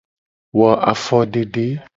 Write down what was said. Wo afodede.